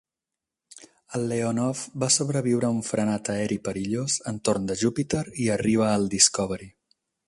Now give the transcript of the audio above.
El "Leonov" va sobreviure un frenat aeri perillós entorn de Júpiter i arriba al "Discovery".